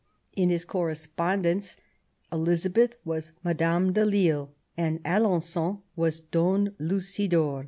In his correspondence Elizabeth was Madame de Lisle, and Alen9on was Don Lucidor.